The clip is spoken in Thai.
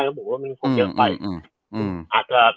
ว่ามันมีพอเยอะไป